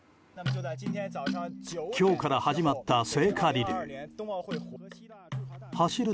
今日から始まった聖火リレー。